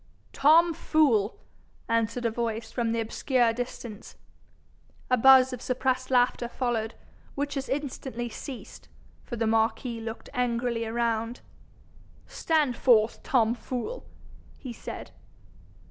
'Tom Fool,' answered a voice from the obscure distance. A buzz of suppressed laughter followed, which as instantly ceased, for the marquis looked angrily around. 'Stand forth, Tom Fool,' he said.